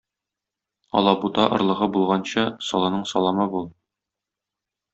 Алабута орлыгы булганчы, солының саламы бул.